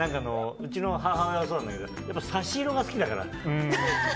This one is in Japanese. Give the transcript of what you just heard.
うちの母親もそうなんだけど差し色が好きだから。